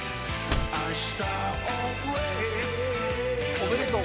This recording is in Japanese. おめでとう。